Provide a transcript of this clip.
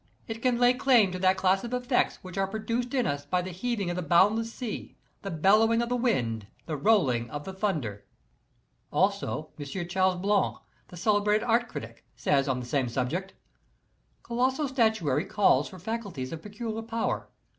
It can lay claim to that N as class of effects which are produced in us by the heaving of the boundless sea, the bellowing of the wind, the rolling of the thunder." Also M. Charles Blanc, the celebrated art critic, says on the same subject: Colossal statuar}' calls for faculties of peculiar power.